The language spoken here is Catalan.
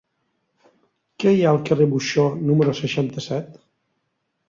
Què hi ha al carrer de Buxó número seixanta-set?